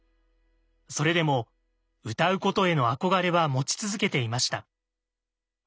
それでも歌うことへの憧れは持ち続けていました。